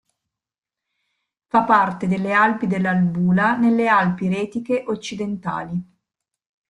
Fa parte delle Alpi dell'Albula nelle Alpi Retiche occidentali.